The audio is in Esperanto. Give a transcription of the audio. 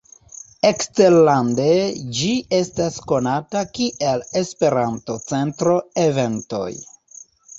Eksterlande ĝi estas konata kiel "Esperanto-Centro Eventoj".